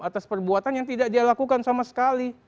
atas perbuatan yang tidak dilakukan sama sekali